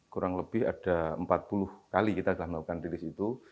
kurang lebih ada empat puluh kali kita sudah melakukan rilis itu